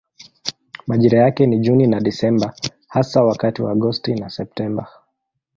Majira yake ni Juni na Desemba hasa wakati wa Agosti na Septemba.